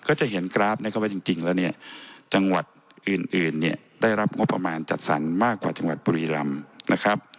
ก็จะเห็นกราฟเข้าไปจริงแล้วจังหวัดอื่นได้รับงบประมาณจัดสรรมากกว่าจังหวัดปุรีรัมน์